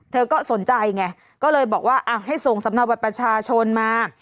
เธอก็สนใจไงก็เลยบอกว่าให้ส่งสำเนาบัตรประชาชนมา